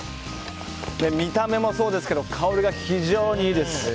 見た目もそうですけど香りが非常にいいです。